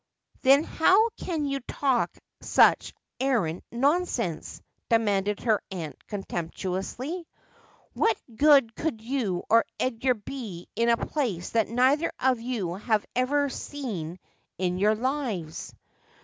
'Then how can you talk such arrant nonsense ?' demanded her aunt contemptuously. ' What good could you or Edgar be in a place that neither of you have ever seen in your lives